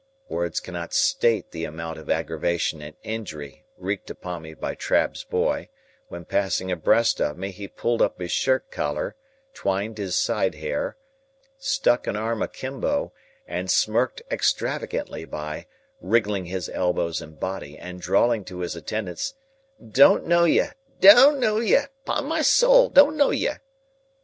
Words cannot state the amount of aggravation and injury wreaked upon me by Trabb's boy, when passing abreast of me, he pulled up his shirt collar, twined his side hair, stuck an arm akimbo, and smirked extravagantly by, wriggling his elbows and body, and drawling to his attendants, "Don't know yah, don't know yah, 'pon my soul don't know yah!"